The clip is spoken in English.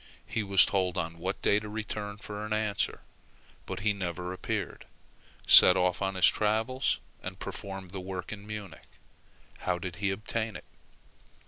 He was told on what day to return for an answer, but he never appeared, set off on his travels, and performed the work in Munich. How did he obtain it?